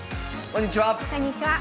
こんにちは。